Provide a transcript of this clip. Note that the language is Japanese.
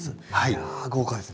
いや豪華ですね。